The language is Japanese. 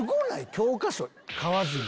教科書買わずに。